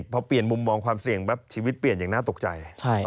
พอเปลี่ยนมุมมองความเสี่ยงปั๊บชีวิตเปลี่ยนอย่างน่าตกใจ